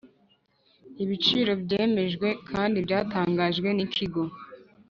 ibiciro byemejwe kandi byatangajwe n ikigo